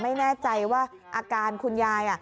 ไม่แน่ใจว่าอาการคุณยาย